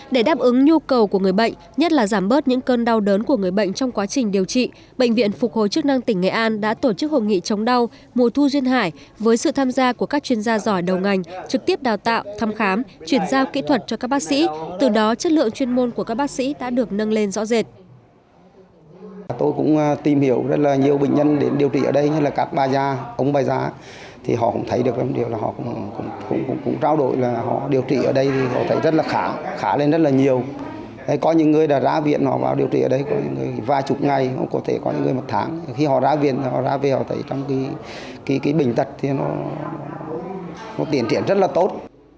để đáp ứng nhu cầu của người bệnh nhất là giảm bớt những cơn đau đớn của người bệnh trong quá trình điều trị bệnh viện phục hồi chức năng tỉnh nghệ an đã tổ chức hội nghị chống đau mùa thu duyên hải với sự tham gia của các chuyên gia giỏi đầu ngành trực tiếp đào tạo thăm khám chuyển giao kỹ thuật cho các bác sĩ từ đó chất lượng chuyên môn của các bác sĩ đã được nâng lên rõ rệt